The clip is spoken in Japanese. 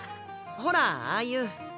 ほらああいう。